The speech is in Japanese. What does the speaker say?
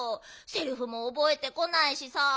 セリフもおぼえてこないしさあ。